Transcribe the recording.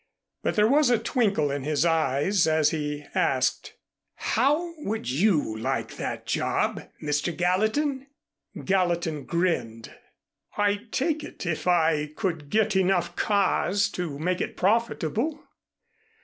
But there was a twinkle in his eyes as he asked. "How would you like that job, Mr. Gallatin?" Gallatin grinned. "I'd take it, if I could get enough cars to make it profitable."